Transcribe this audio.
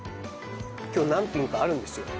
今日何品かあるんですよ。